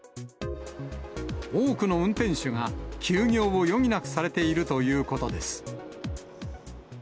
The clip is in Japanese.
多くの運転手が休業を余儀なくされているということです。